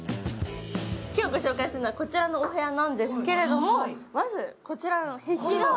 今日、ご紹介するのはこちらのお部屋なんですけど、まず壁画。